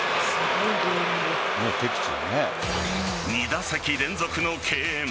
２打席連続の敬遠。